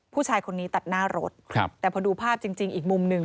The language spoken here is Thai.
ผู้ชายคนนี้ตัดหน้ารถครับแต่พอดูภาพจริงอีกมุมหนึ่ง